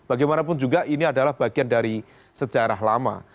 bagaimanapun juga ini adalah bagian dari sejarah lama